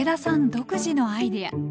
独自のアイデア。